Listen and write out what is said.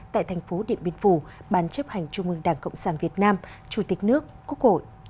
tại thành phố điện biên phủ ban chấp hành trung ương đảng cộng sản việt nam chủ tịch nước quốc hội